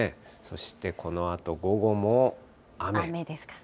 そしてこのあと午後も雨。